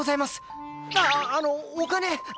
あのお金！